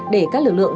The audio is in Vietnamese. để các lực lượng